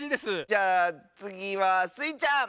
じゃあつぎはスイちゃん！